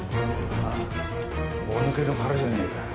もぬけの殻じゃねえか。